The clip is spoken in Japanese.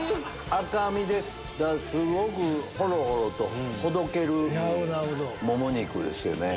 赤身ですだからすごくホロホロとほどけるもも肉ですよね。